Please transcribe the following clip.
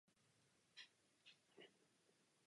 Vnější vzhled rezidence odpovídal tehdejší době.